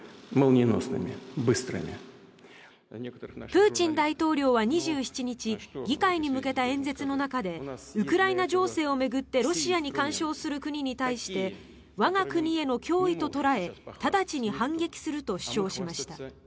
プーチン大統領は２７日議会に向けた演説の中でウクライナ情勢を巡ってロシアに干渉する国に対して我が国への脅威と捉え直ちに反撃すると主張しました。